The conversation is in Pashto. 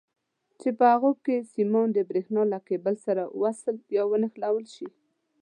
چې په هغو کې سیمان د برېښنا له کیبل سره وصل یا ونښلول شي.